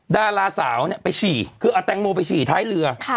ดาราสาวเนี่ยไปฉี่คือเอาแตงโมไปฉี่ท้ายเรือ